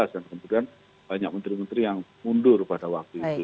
dan kemudian banyak menteri menteri yang mundur pada waktu itu